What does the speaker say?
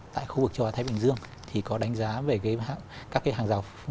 tại khu vực chòa thái bình dương thì có đánh giá về các cái hàng rào